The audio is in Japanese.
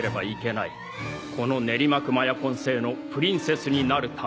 このネリマクマヤコン星のプリンセスになるために。